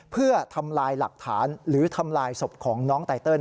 เพื่อทำลายหลักฐานหรือทำลายศพของน้องไตเติล